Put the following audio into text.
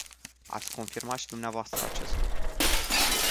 Ați confirmat și dvs. acest lucru.